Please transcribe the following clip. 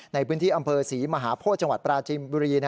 ในพื้นที่อำเภอศรีมหาโพธิจังหวัดปราจิมบุรี